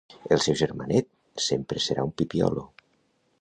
El seu germanet sempre serà un pipiolo.